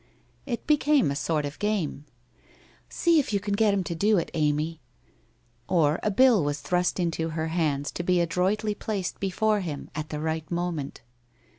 It became a sort of game :' See if you can get him to do it, Amy !' Or a bill was thrust into her hands to be adroitly placed before him at the right moment.